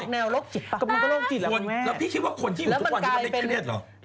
แล้วพี่คิดว่าคนที่อยู่ทุกวันจะได้คริเศษเหรอ